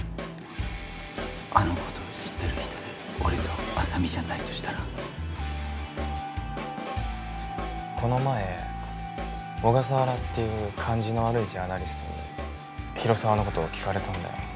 あのこと知ってる人で俺と浅見じゃないとしたらこの前小笠原っていう感じの悪いジャーナリストに広沢のこと聞かれたんだよ